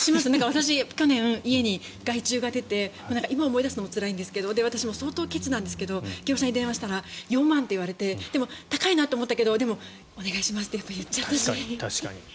私、去年、家に害虫が出て今思い出すのもつらいんですが私相当ケチですが業者に電話したら４万といわれてでも、高いなと思ったけどお願いしますって言っちゃった。